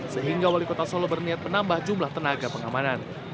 sehingga wali kota solo berniat menambah jumlah tenaga pengamanan